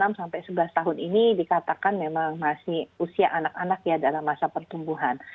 enam sampai sebelas tahun ini dikatakan memang masih usia anak anak ya dalam masa pertumbuhan